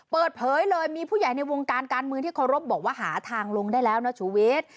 เปิดเผยเลยมีผู้ใหญ่ในวงการการเมืองที่เคารพบอกว่าหาทางลงได้แล้วนะชูวิทย์